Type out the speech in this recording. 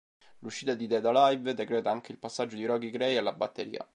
L'uscita di "Dead Alive" decreta anche il passaggio di Rocky Gray alla batteria.